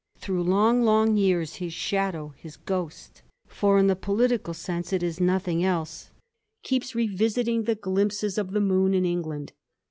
Through long long years his shadow, his ghost — ^for in the political sense it is nothing else — ^keeps revisiting the glimpses of the moon in England.